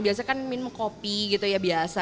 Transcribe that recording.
biasa kan minum kopi gitu ya biasa